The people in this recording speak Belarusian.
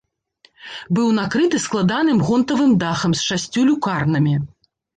Быў накрыты складаным гонтавым дахам з шасцю люкарнамі.